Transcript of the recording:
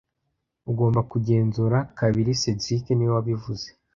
Ugomba kugenzura kabiri cedric niwe wabivuze